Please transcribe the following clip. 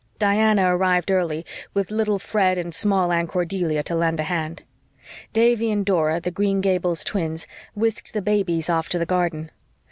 Diana arrived early, with little Fred and Small Anne Cordelia, to lend a hand. Davy and Dora, the Green Gables twins, whisked the babies off to the garden.